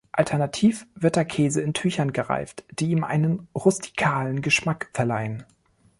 Alternativ wird der Käse in Tüchern gereift, die ihm einen rustikalen Geschmack verleihen.